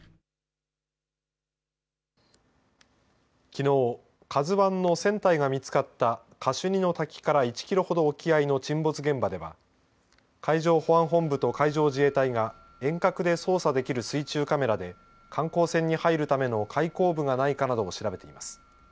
きのう、ＫＡＺＵＩの船体が見つかったカシュニの滝から１キロほど沖合の沈没現場では海上保安本部と海上自衛隊が遠隔で操作できる水中カメラで観光船に入るための開口部がないかなどを調べています。